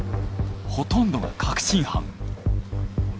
ほとんどが確信犯。